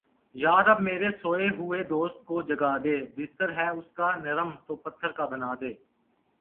یا رب میرے سوئے ہوئے دوست کو جگا دے۔ بستر ہے اس کا نرم تو پتھر کا بنا دے